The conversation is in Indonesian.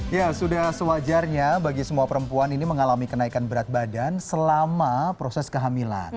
ya sudah sewajarnya bagi semua perempuan ini mengalami kenaikan berat badan selama proses kehamilan